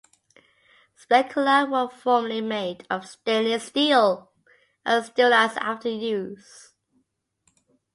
Specula were formerly made of stainless steel, and sterilized after use.